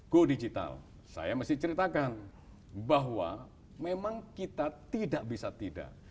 go digital saya mesti ceritakan bahwa memang kita tidak bisa tidak